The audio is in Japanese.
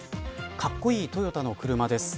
かっこいいトヨタの車です。